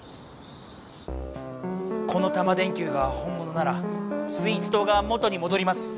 このタマ電Ｑが本物ならスイーツとうが元にもどります。